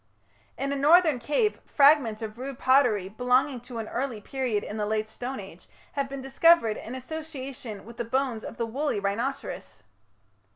In a northern cave fragments of rude pottery, belonging to an early period in the Late Stone Age, have been discovered in association with the bones of the woolly rhinoceros.